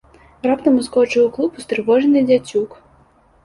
Раптам ускочыў у клуб устрывожаны дзяцюк.